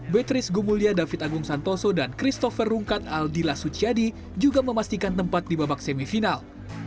beatrice gomulya david agung santoso dan christopher rungkat aldila suciadi juga memastikan tempat di babak semi final